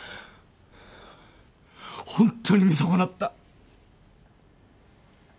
ホンットに見損なった。